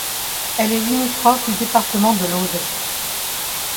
Elle est limitrophe du département de l'Aude.